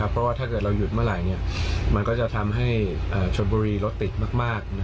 เพราะว่าถ้าเกิดเราหยุดเมื่อไหร่มันก็จะทำให้ชนบุรีรถติดมาก